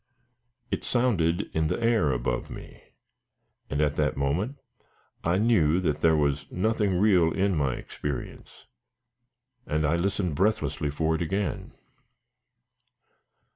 It sounded in the air above me, and at that moment I knew that there was nothing real in my experience, and I listened breathlessly for it again.